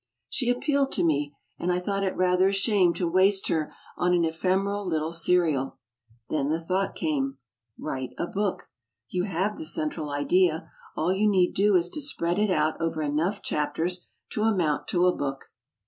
She appealed to me, and I thought it rather a shame to waste her on an ephemeral little serial. Then the thought came, "Write a book. You have the central idea. All you need do is to spread it out over enough chapters to amount to a book."